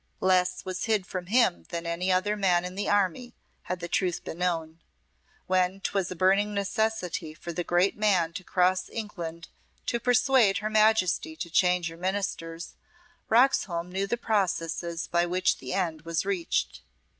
Less was hid from him than from any other man in the army, had the truth been known. When 'twas a burning necessity for the great man to cross to England to persuade her Majesty to change her ministers, Roxholm knew the processes by which the end was reached.